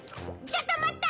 ちょっと待った！